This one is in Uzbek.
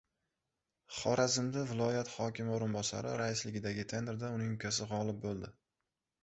Xorazmda viloyat hokimi o‘rinbosari raisligidagi tenderda uning ukasi g‘olib bo‘ldi